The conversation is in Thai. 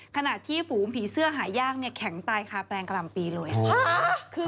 ขณะที่ฝูงผีเสื้อหายากเนี่ยแข็งตายคาแปลงกล่ำปีเลย